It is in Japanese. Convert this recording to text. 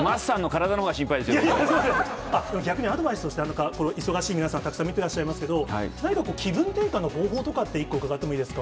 いやいやいや、でも逆にアドバイスを、忙しい皆さん、たくさん見てらっしゃいますけど、何か気分転換の方法とか一個伺ってもいいですか？